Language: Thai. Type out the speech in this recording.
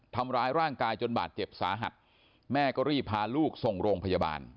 ทำร้ายร่างกายจนบาดเจ็บสาหัสแม่ก็รีบพาลูกส่งโรงพยาบาล